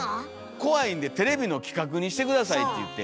怖いんでテレビの企画にして下さいって言って。